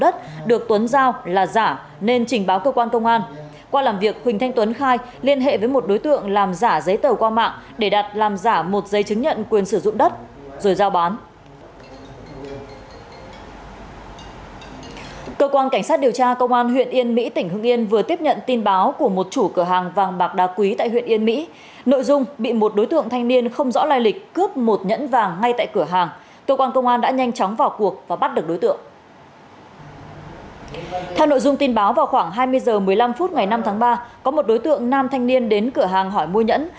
theo nội dung tin báo vào khoảng hai mươi h một mươi năm phút ngày năm tháng ba có một đối tượng nam thanh niên đến cửa hàng hỏi mua nhẫn